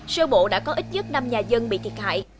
sau đó sơ bộ đã có ít nhất năm nhà dân bị thiệt hại